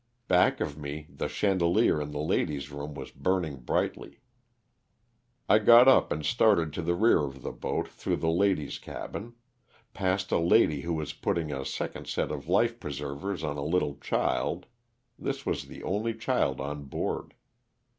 Back of me the chandelier in the ladies' room was burning brightly. I got up and started to the rear of the boat through the ladies' cabin ; passed a lady who was putting a second set of life preservers on a little child; this was the only child on board.